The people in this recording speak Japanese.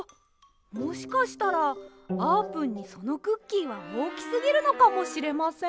もしかしたらあーぷんにそのクッキーはおおきすぎるのかもしれません。